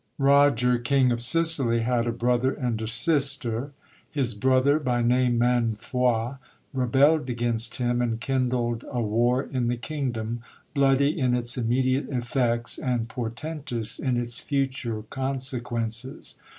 Roger, king of Sicily, had a brother and a sister. His brother, by name Mainfroi, rebelled against him, and kindled a war in the kingdom, bloody in its immediate effects, and portentous in its future consequences.